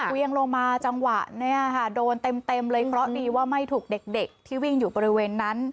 เวียงลงมาจังหวะเนี่ยค่ะโดนเต็มเลยเพราะดีว่าไม่ถูกเด็กที่วิ่งอยู่บริเวณนั้น